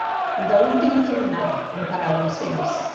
“De l’última fornada”, en paraules seves.